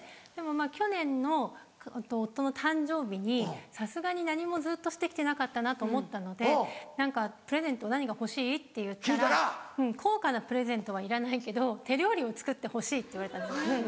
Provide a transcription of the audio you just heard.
でもまぁ去年の夫の誕生日にさすがに何もずっとして来てなかったなと思ったので「プレゼント何が欲しい？」って言ったら「高価なプレゼントはいらないけど手料理を作ってほしい」って言われたんですよ。